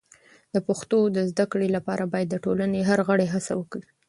د پښتو د زده کړې لپاره باید د ټولنې هر غړی هڅه وکړي.